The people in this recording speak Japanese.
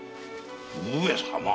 上様